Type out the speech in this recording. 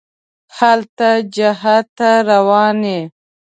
هلته جهاد ته روان یې.